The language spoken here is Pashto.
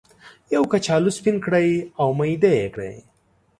یو کچالو سپین کړئ او میده یې کړئ.